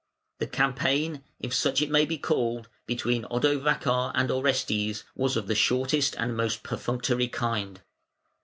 The campaign, if such it may be called, between Odovacar and Orestes was of the shortest and most perfunctory kind.